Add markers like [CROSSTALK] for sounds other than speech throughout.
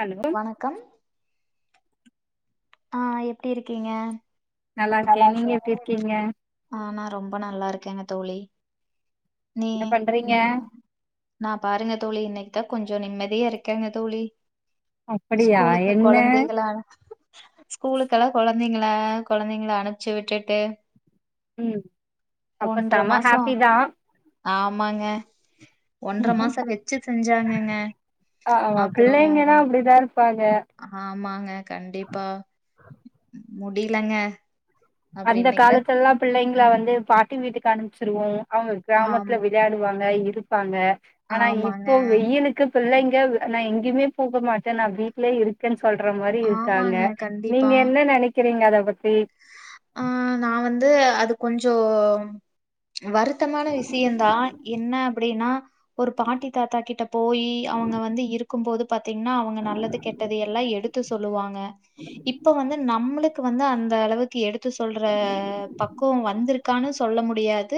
Hello வணக்கம் ஆ எப்டி இருக்கிங்க நல்லாருக்கே நீங்க எப்டி இருக்கிங்க ஆ நா ரொம்ப நல்லாருக்கேங்க தோழி நீ என்ன பண்றீங்க நா பாருங்க தோழி இன்னைக்குத்தா கொஞ்ச நிம்மதியா இருக்கங்க தோழி அப்படியா என்ன ஸ்கூலுக்கெலா கொழந்தைங்கள கொழந்தைங்கள அனுப்ச்சு விட்டுட்டு ம் அப்ப ஒன்ற செம மாச ஹாப்பி தா ஆமாங்க ஒன்ற மாச வெச்சு செஞ்சாங்கங்க ஆமா அப்பற பிள்ளைங்கன்னா அப்டிதா இருப்பாங்க ஆமாங்க கண்டிப்பா முடிலங்க அப்றோ அந்த இன்னைக்குதா காலத்துலலா பிள்ளைங்ளா ம் வந்து பா ட்டி வீட்டுக்கு அனுப்ச்சிருவோ அவுங்கு க்ராமத்துல ஆமா விளயாடுவாங்க இர் ருப்பாங்க ஆனா ஆமாங்க இப்போ வெய்யிலுக்கு பிள்ளைங்க நா எங்கயுமே போக மாட்டே நா வீட்லயே இருக்கன் சொல்ற மாரி இருக்காங்க ஆமாங்க கண்டிப்பா நீங்க என்ன நெனை க்கிறிங்க அத பத்தி ஆ நா வந்து அது கொஞ்சோ வருத்தமான விஷியந்தா என்ன அப்படின்னா ஒரு பாட்டி தாத்தா கிட்ட போயி அவங்க வந்து இருக்கும்போது பத் திங்னா அவங்க நல்லது கெட்டது எல்லா எடுத்து சொலுவாங்க இப்ப வந்து நம்ளுக் கு வந்த அந்த அளவுக் தி எடு து சொல்ற பக்குவொ வந்துருக் காணு சொல்ல முடியாது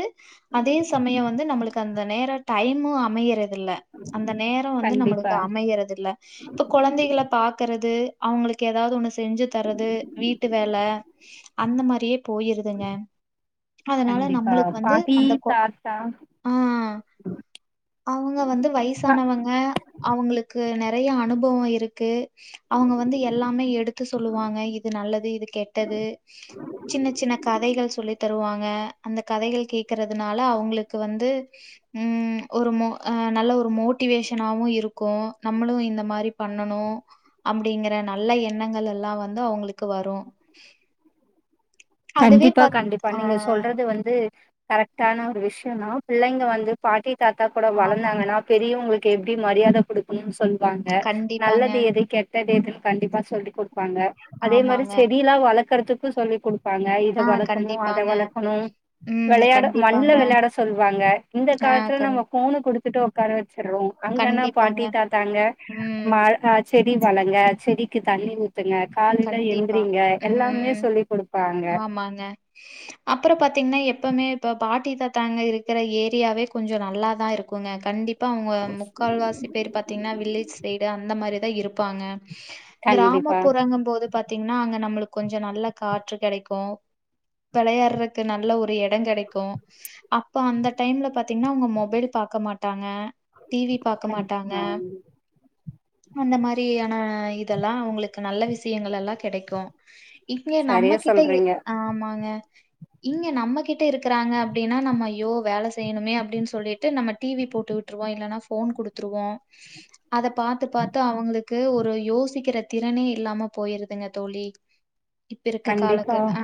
அதே சமய வந்து நம்மளுக்கு அந்த நேர டைமு அமையற துல்ல அந்த நேரோ வந்து கண்டிப்பா நம்மளுக்கு அமையறதுல்ல இப்ப கொழந்தைகள பாக்கறது அவுங்ளுக்கு ஏதாவ்து ஒன்னுஸ் தெஞ்சு தரது வீட்டு வேல அந்த மாரியே போயிருதுங்க அதனால கண்டிப்பா நம்மளுக் வந்து பாட்டி அந்த கோ தாத்தா ஆ அவுங்க வந்து ஆ வய்சானவங்க அவுங்ளுக்கு நெற் றையா அனுபவொ இருக்கு அவுங்க வந்து எல்லாமே எடுத்து சொல்லுவாங்க இது நல்லது இது கெட் ட்டது சின்ன சின்ன கதைகள் சொல்லி தருவாங்க அந்த கதைகள் கேக்கறதுனால அவங்களுக்கு வந்து ம் ஒரு ம நல்ல ஒரு மோட்டிவேஷனாவு இருக்கு நம்மளு இந்த மாரி பண்ணணு அப்டிங்கற நல்ல எண்ணங்கள் எல்லா வந்து அவங்களுக்கு வரு கண்டிப்பா பாத் கண்டிப்பா ஆ நீங்க சொல்றது வந்து கரெக்டான ஒரு விஷ யந்தா பிள்ளைங்க வந்து பாட்டி தாத்தா கூட ஆமாங்க. வளந்தாங்கனா பெரியவங்களுக் எப்படி மரியாதை குடுக்கணுன் சொல் வாங்க கண்டிப்பாங்க. நல்லது எது கெட்டது எதுன் கண்டிப்பா சொல்லி குடு ப்பாங்க அதே மாரி ஆமாங்க. செடில்லா வள க்கறதுக்கு சொல்லி‌ குடு த்தாங்க இத ஆ வளக்கணு அத கண்டிப்பாங்க. வளக்கணு ம். வெளயாட மண்ல கண்டிப்பாங்க. வெளயாட சொல்வாங்க இந்த ஆ காலத்துல கண் நம்ம ஃபோன குடுத் துட்டு ஒக்கார வெச் சர்றோ அங்கன்னா கண்டிப்பாங்க. பாட்டி தாத்தாங்க ம். மர செடி வளங்க செடிக்கு தண்ணி ஊத் த்துங்க காலைல கண்டிப்பா. எந்திரிங்க எல்லாமே ம். சொல்லி குடு ஆமாங்க அப்பற பாத்திங்னா எப்பமே இப்ப பா பாட்டி தத்தாங்க இருக்கற ஏரியாவே கொஞ்ச நல்லாதா இருக்குங்க கண்டிப் பா அவங்க முக்கால்வாசி பேர் பாத்திங்னா வில்லேஜ் சைடு அந்த மாரிதா இருப் பாங்க கண்டிப்பா. கிராமப்புறங்க அது பாத்திங்னா அங்க நம்மளுக்கு கொஞ்ச நல்ல காற்று கெடைக்கு வெளயாடறக்கு நல்ல ஒரு எடங் கெடைக்கு அப்ப அந்த டைம்ல பாத்திங்னா அவங்க மொபைல் பாக்க மாட்டாங்க டி வி பாக்க மாட்டாங்க அந்த மாரியான இதெல்லா அவங்களுக்கு நல்ல விஷ யங்கள் எல்லா கெடைக்கு இப்பவே சரியா நம்மகிட்டயே சொல்றீங்க ஆமாங்க இங்க நம்மகிட்ட இருக்கறாங்க அப்படின்னா நம்ம ஐயோ வேல செய்யணுமே அப்டின்னு சொல்லிட்டு நம்ம டிவி போட்டு விட்டுருவோ இல்லன்னா ஃபோன் குடுத்துருவோ அத பாத்து பாத்து அவங்களுக்கு ஒரு யோசிக்கிற திறனே இல்லாம போயிருதுங்க தோழி இப்ப இருக்க கண்டிப்பா காலக்க ஆ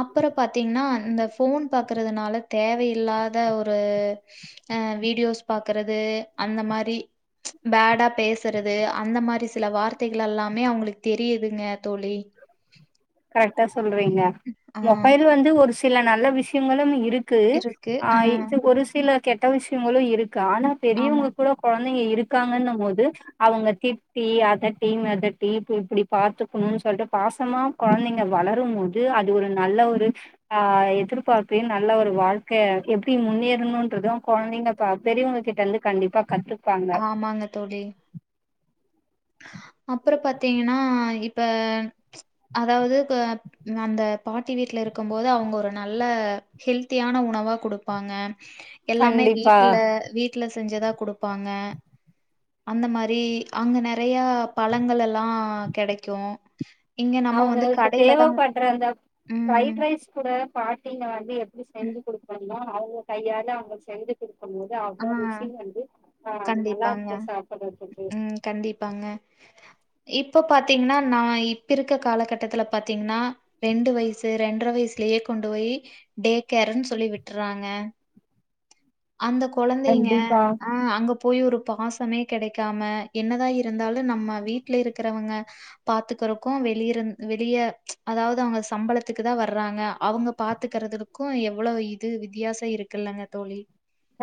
அப்பறோ பாத்தீங்கன்னா இந்த ஃபோன் பாக்கறதுனால தேவயில்லாத ஒரு ஒரு அ வீடியோஸ் பாக்கறது அந்த மாரி பேடா பேசறது அந்த மாரி சில வார்த்தை கள் எல்லாமே அவங்களுக்கு தெரியுதுங்க தோழி கரெக்டா சொல்றீங்க ஆ மொபைல் வந்து ஒரு சில நல்ல விஷயங்களும் இரு க்கு ஆ இது ஒரு சில கெட்ட விஷயங்களு இருக் கு ஆனா ஆமா. பெரியவங்களுக்கு கூட கொழ ந்தைங்க இருக்காங்கன்னம் போது அவங்க திட்டி அதட்டி மெதட்டி இப் இப்படி பாத்துக்கணுன் சொல்ட்டு பாசமா கொழந்தைங்க வளரும் போது அது ஒரு நல்ல ஒரு ஆ எதிர்பார்ப்பயு நல்ல ஒரு வாழ்க்க எப்படி முன்னேறணுன்றது கொழந்தைங்க ப பெரியவங்க கிட்ட இருந்து கண்டிப்பா கத்து ஆமாங்க தோழி அப்பற பாத்திங்கன்னா இப்ப அதாவது க அந்த பாட்டி வீட்ல இருக்கம்போது அவங்க ஒரு நல்ல ஹெல்த்தியான உணவா குடுப்பாங்க எல்லாமே கண்டிப்பா வீட்டுல வீ ட்ல செஞ்சதா கொடுப்பாங்க அந்த மாரி அங்க நேர நறைய பலங்கள் எல்லா கேடைக்கு அவங்க அதுக்கு தேவை படுற அந்த ம். ப்ரைட் ரைஸ் கூட பாட்டிங்க வந்து எப்டி ம். செஞ்சு குடுப்பாங்கா அவங்க கையால அவங்க செஞ்சு குடுப் போது ஆ அவ்ளது சிகின் வந்து ஆ நல்லா கண்டிப்பாங்க. இருக்கோ சாப்புறதுக்கு ம் கண்டிப்பாங்க. இப்ப பாத்தீங்கனா நா இப்ப இருக்க காலகட்டத்துல பாத்தீங்கனா ரெண்டு வயசு ரெண்டர வயசுலயே கொண்டு போய் டே கேர்ன்னு சொல்லி விட்றாங்க அந்த கொலந்தைங்க கண்டிப்பா ஆ அங்க போய் ஒரு பாசமே கிடைக்காம என்னதா இருந்தாலு நம்ம வீட்டுல இருக்கிறவங்க பாத்துக்கற்கோ வெளிய இருந் வெளிய அதாவது அவங்க சம்பளத்துக்கு தா வர்றாங்க அவங்க பாத்துக்கறறதுக்கும் எவ்ளவு இது வித்தியாசோ இருக்குல்லலைங்க தோழி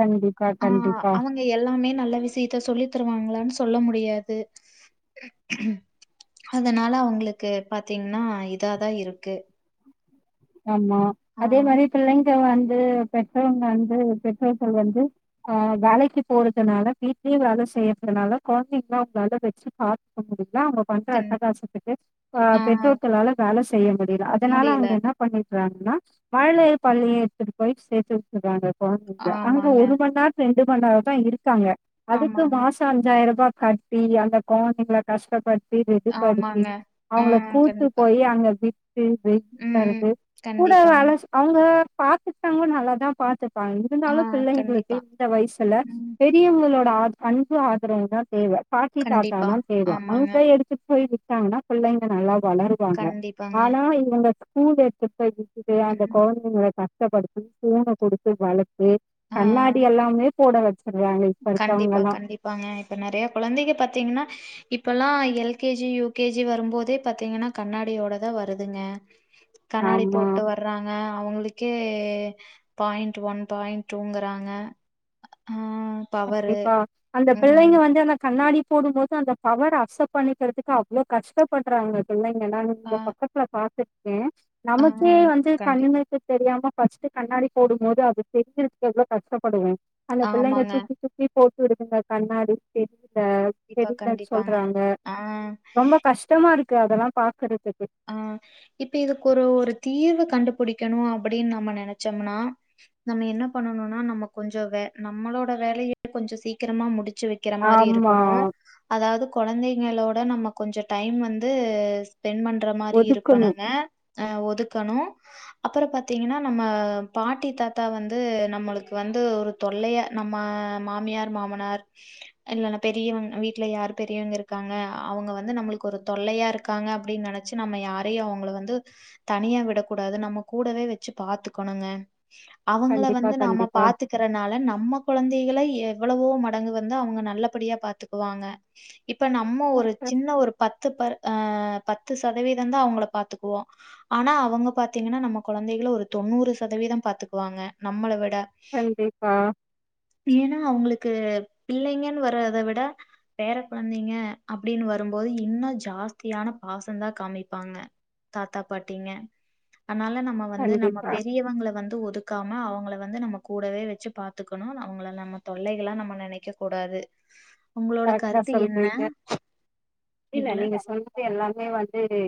கண்டிப்பா ஆஹ் கண்டிப்பா அவங்க எல்லாமே நல்ல விசயத்த சொல்லி த்துருவாங்களானு சொல்ல முடியாது அதனால அவ்ங்களுக்கு பாத்தீங்கனா இதாதா இருக்கு ஆமா ஆ அதே மாரி பிள்ளைங்க வந் ந்து பெற்றோங்க வந்து பெற்றோர்கள் வந்து அ வேலைக்கு போறதுனால வீட்லயே வேலை செய்றதுனால குழந்தைகள அவங்ளால வச்சு பாக்க முடிய அத அவங்க பண்ற கண் அட்டகாசத்துக்கு ஆ பெற்றோர்களால வேலை செய் செய்ய முடியல அதனால முடியல. அவங்க என்னப் [UNINTELLIGIBLE] மழலை பள்ளிய எடுத்துட்டு போய் சேர்த்து விட்டுறாங்க [UNINTELLIGIBLE] அங்க ஆமாங்க, ஒரு மணிநேர இது பண்ணாத தா இருகாங்க அதுக்கு ஆமாங்க, மாச அஞ்சாயிர ருபா கட்டி அந்த கொலந்தைகள கஷ்ட படுத்தி ரெடி படுத்தி ஆமாங்க. ஆ அவங்கள கூட்டு கண்டிப்பா. போய் அங்க விட் வெ ம். வெய்ட்டாருக்கு கூட கண்டிப்பாங்க. வலஸ் அங் பா பாத்துட்டாங்க நல்லாதா பாத்து ஆ இருந்தாலு பிள்ளைங்களுக்கு கண்டிப்பா. இந்த வயசுல ம். பெரியவங்களோட ஆ அன்பு ஆதரவுதா தேவ பாட்டி கண்டிப்பா. தாத்தானா பேரா ஆமாங்க. அங்க [UNINTELLIGIBLE] எடுத்து போய் வி [UNINTELLIGIBLE] பிள்ளைங்க நல்லாம் வளர்வாங்க கண்டிப்பாங்க. ஆனா இவங்க உ பே இப்போது இது அந்த ம். கொழந்தைங்கல கஸ்டப்படுத்தி [UNINTELLIGIBLE] குடுத்து வளத்து ஆ கண்ணாடி எல்லாமே போடவே கண்டிப்பா கண்டிப்பாங்க இப்ப நெறைய கொழந்தைங்க பாத்தீங்கனா இப்பல்லா L K G U K G வரும்போதே பாத்தீங்கன்னா கண்ணாடியோடதா வருதுங்க கண்ணாடி ஆமா போட்டு வர்றாங்க அவங்களுக்கே எ பாயிண்ட் ஒன் பாயிண்ட் டூங்குறாங்க ஆ பவரு. கண்டிப்பா அந்த ம். பிள்ளைங்க வந்து அந்த கண்ணாடிப் போடும் போது அந்த பவர் அக்செப்ட் பண்ணிக்கிறதுக்கு அவ்ளோ கஷ்டப்படுறாங்க பிள்ளங் [UNINTELLIGIBLE] ஆ இந்த பக்கத்துல பாத்துட் எ ஆ நமக்கே வந்து கண்டி கண்ணிமைக்கு தெரியாமப் ஃபர்ஸ்ட் கண்ணாடி போடும் போது அது தெரிஞ்சிருக்க எவ்ளோ கஷ்டப்படுவோ ஆமாங்க சுப்பி போட்டு விதுங்க கண்ணாடி தெரி [INAUDIBLE] த கண்டிப்பா, தெரியலன்னு கண்டிப்பாங்க. சொல்றாங்க ஆ, ரொம்ப கஷ்டமாருக் க்கு அதெல்லா பாக்குறதுக் ஆ இப்ப இதுக்கு ஒரு ஒரு தீர்வு கண்டுப் புடிக்கணு அப்டின்னு நம்ம நெனைச்சம்னா நம்ம என்ன பண்ணணும்னா நம்ம கொஞ்சோ வே நம்மளோட வேலைய கொஞ்சோ சீக்கிரமா முடிச் ச்சு வைக்கிற மாரி ஆமா இருக்கணு அதாவது கொழந்தைங்களோட ட நம்ம கொஞ்சோ டைம் வந்து ஸ்பெண்ட் பண் ன்ற மாரி ஒதுக்கணு இருக்கணுங்க ஆ ஒதுக்கணு அப்பறோ பாத்தீங்கன்னா நம்ம பாட்டி தாத்தா வந்து நம்மளுக்கு வந்து ஒரு தொல்லையா நம்ம மாமியார் மாமனார் இல்லன்னா பெரியவங்க வீட்டுல யாரு பெரியவங்க இருக்காங்க அவங்க வந்து நம்மளுக்கு ஒரு தொல்லையா இருக்காங்க அப்டின்னு நினைச் ச்சு நம்ம யாரையு அவங்கள வந்து தனியா விடக்கூடாது நம்ம கூடவே வெச்சு பாத்துக்கணுங்க அவங்கள கண்டிப்பா வந்து நாம கண்டிப்பா பாத்துக்கறனால நம்ம குழந்தைகள எப் எவ்ளவோ மடங்கு வந்து அவங்க நல்லபடியா பாத்துக்குவாங்க இப்ப நம்ம ஒரு சின்ன ஒரு பத்து பர் ஆ பத்து சதவீததா அவங்கள பாத்துக்குவோ ஆனா அவங்க பாத்தீங்கன்னா நம்ம கொழந்தைகள ஒரு தொண்ணூறு சதவீத பாத்துக்குவாங்க நம்மள விட் ட கண்டிப்பா ஏன்னா அவங்களுக்கு க்கு பிள்ளைங்கன்னு வறத விட பேற குழந்தைங்க அப்டின்னு வரும்போது இன்னு ஜாஸ்தியானப் பாசந்தா காமிப்பாங்க தாத்தா பாட்டிங்க அனால நம்ம வந்து நம்ம கண்டிப்பா பெரியவங்க வந்து ஒதுக்காம அவங்கள வந்து வந்து நம்ம கூடவே வச்சு பாத்துக்கணு அவங்கள நம்ம தொல்லைகளா நம்ம நெனைக்க கூடாது உங்களோட கரெக்டா கருத்து என்ன சொல்றீங்க இல்ல இதுல? நீங்க சொன்னது எல்லாமே வந்து தே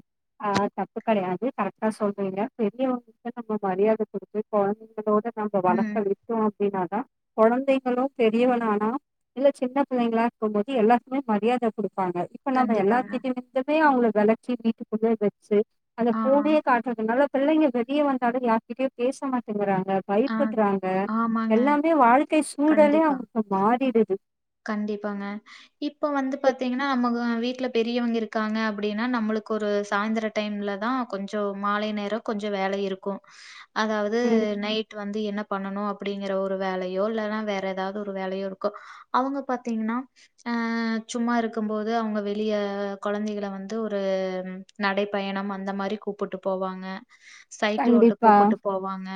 ஆ, தப்பு கெடையாது கரெக்டா சொல்றீங்க பெரியவங்கிட்ட நம்ம மரியாத குடுத்து குழந்தைங்களோட நம்ம வளக்க ம். விட்டோ அப்டின்னா [UNINTELLIGIBLE] கொழந்தைகளும் பெரியவனனான இல்ல சின்ன பிள்ளைங்களா இருக்கும்போது எல்லாத்துக்குமே மரியாத குடுக் ப்பாங்க இப்ப நம்ம எல்லா கண்டிப்பாங்க. கிட்டருந்துமே அவுங்களுக்கு வளச்சி வீட்டுக்குள்ளேயே வெச்சு அந்த ஆ, ஃபோனையே காட்டுறதுனாலப் பிள்ளைங்க வெளிய வந்தாலு யார்கிட்டயூ பேச மாட்டேங்கிறாங் க ஆ. பயப்பட்றாங்க ஆமாங்க. எல்லாமே வாழ்க்கை சூழலே கண்டிப்பா. அவுங்களுக்கு மாறிடுது கண்டிப்பாங்க இப்போ வந்து பாத்தீங்கன்னா நமக்கு வீட்லப் பெரியவிங்க இருக்காங்க அப்டினா நம்மளுக்கு ஒரு சாய்ந்திர டைம்லதா கொஞ்சோ மாலை நேரோ கொஞ்சோ வேலை இருக்கு அதாவது ம் நைட் வந்து என்ன பண்ணணு அப்டிங்கற ஒரு வேலையோ இல்லனா வேற ஏதாவது ஒரு வேலையோ இருக்கு அவுங்க பாத்தீங்னா ஆ சும்மா இருக்கும்போது அவுங்க வெளிய கொழந்தைகள வந்து ஒரு நடைப்பயணம் அந்த மாரி கூப்புட்டு போவாங்க சைக்கிளோட்ட கண்டிப்பா கூப்புட்டு போவாங்க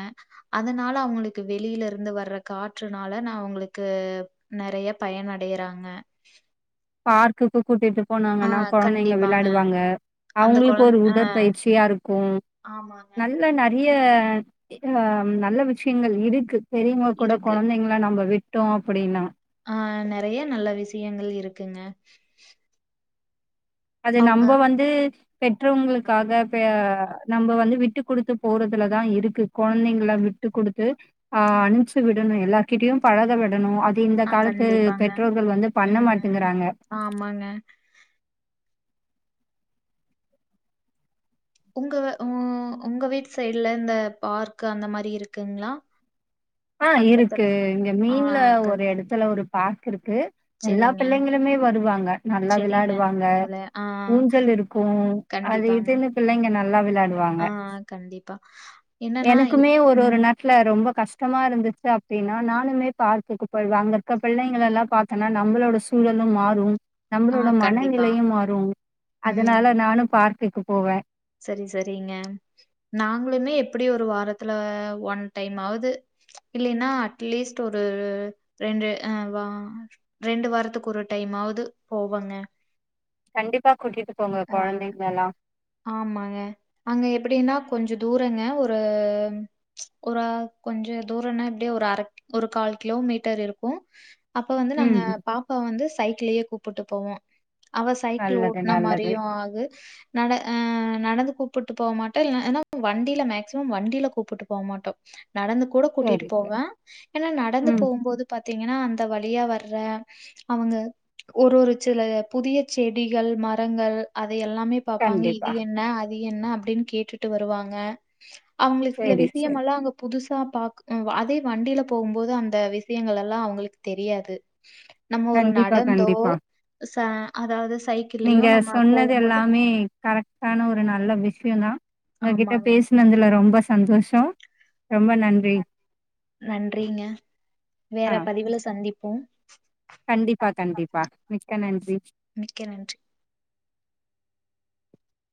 அதனால அவங்களுக்கு வெளியிலருந்து வர்ற காற்றுனால நா அவுங்களுக்கு நெறைய பயனடையறாங்க பார்க்குக்கு கூட்டிட்டுப் ஆ போனாங்கன்னா கொழந்தைங்க கண்டிப்பாங்க விளாடுவாங்க அந்த அவுங்களுக்கு கொழந் ஒரு ஆ உடற்பயிற்சியா இருக்கு ஆமாங்க நல்ல கண்டிப்பா நெறய இத நல்ல விஷயங்கள் இருக்கு பெரியவுங்க கூட இருக்கு கொழந்தைங்கள நம்ம விட் ட்டோ அப்டின்னா ஆஹ் நெறைய நல்ல விஷயங்கள் இருக்குங்க அது அவுங்க நம்ப வந்து பெற்றவங்களுக்காக பெ நம்ம வந்து விட்டுக்குடுத்து போறதுலதா இருக்கு கொழந்தைங்கள விட்டு குடுத்து ஆஹ் அணின்சு விடணு எல்லார் கிட்டயூ பழக விடணு தி இந்த ஆ காலத்து கண்டிப்பாங்க பெற்றோர்கள் வந்து பண்ண ம் மாட்டேங்கிறாங்க ஆமாங்க உங்க உ உங்க வீட்டு சைட்ல இந்த பார்க்கு அந்த மாரி இருக்குங்களா ஆ பக்கத்துல இருக்கு இங்க ஆ மெய்ன்ல ஒரு கண்டி எடத்துல ஒருப் பார்க் இருக்கு எல்லா செரிங்க பிள்ளைங்களுமே வருவாங்க நல்லா செரிங்க விளாடுவாங்க உள்ள ஆ ஊஞ்சல் இருக்கு அது கண்டிப்பாங்க இதுன்னு பிள்ளைங்க நல்லா விளாடுவாங்க ஆ கண்டிப்பா என்னன்னா இப் எனக்குமே ஒரு ஒரு ம் நேர்த்துல ரொம்ப கஷ் டமாருந்துச்சு அப்டின்னா நானுமே பார்க்குக்கு போய் வ அங்க இருக்க பிள்ளைங்கள எல்லா பாத்தோன்னா நம்மளோட சூழலு மாறும் ஆ நம்மளோட கண்டிப்பா மனநிலையு மாறு அதனால நானு பார்க் குக்கு போவே செரி செரிங்க நாங்களுமே எப்டியூ ஒரு வாரத்துல ஒன் டைம்மாவ்து இல்லின்னா அட்லீஸ்ட் ஒரு ரெண்டு இ வா ரெண்டு வாரத்துக்கு ஒரு டைம் ஆவுது போவோங்க கண்டிப்பா கூட்டிட்டு போங்க கொழந்தைங்கலல்லா ஆமாங்க அங்க எப்டி என்ன அ கொஞ்சோ தூரங்க ஒரு ஒரு அ கொஞ்சோ தூரன்னா எப்டியோ ஒரு அரக் ஒரு கால் கிலோமீட்டர் இருக்கு அப்ப வந்து நாங்க ம் பாப்பா வந்து ச சைக்கிளேயே கூப்ட்டு போவோ அவ சைக்கிள் நல்லது ஓட்ன நல்லது. மாரியு ஆகு அ நடந்து கூப்புட்டு போமாட்ட இ ஏனா வண்டில மேக்சிமம் வண்டில கூப்புட்டு போ மாட்டோ நடந்து கூட கூட்டிட்டு சரி போவ சரி. ஏனா நடந்து ம் போம்போது பாத் த்தீங்கனா அந்த வழியா வர்ற அவங்க ஒரு ஒரு சில புதிய செடிகள் மரங்கள் அதையெல்லாம் பாப்பாங்க இது கண்டிப்பா. என்ன அ து என்ன அப்டின் கேட்டுட்டு வருவாங்க அவ்ங்களுக்கு சில சரி சரி. விஷியம் எல்லா அங்க புது ச பாக் அதே வண்டில போவும்போது அந்த விஷியங்கள் எல்லா அவ்ங்களுக்கு தெரியாது நம்ம ஒரு கண்டிப்பா நடந்தோ கண்டிப்பா. ச அதாவ்து ஸ் நீங்க சொன்னது எல்லாமே கரெக்டான ஒரு நல்ல விஷ்யோ தா உங்ககிட்ட ஆமாங்க. பேசுனதுல ரொம்ப சந்தோஷோ நன்றிங்க வேற ஆ பதிவுல சந்திப் போம் கண்டிப்பா கண்டிப்பா மிக்க நன்றி மிக்க நன்றி